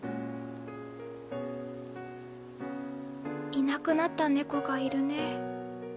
いなくなった猫がいるね。